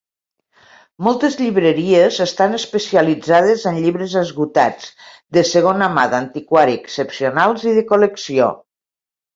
Moltes llibreries estan especialitzades en llibres esgotats, de segona mà, d'antiquari, excepcionals i de col·lecció.